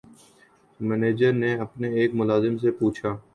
manager نے اپنے ایک ملازم سے پوچھا